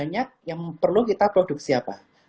banyak yang perlu kita produksi apa